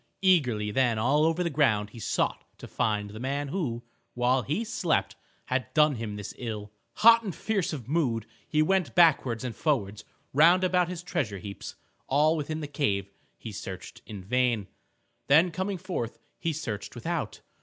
Eagerly then all over the ground he sought to find the man who, while he slept, had done him this ill. Hot and fierce of mood he went backwards and forwards round about his treasure heaps. All within the cave he searched in vain. Then coming forth he searched without.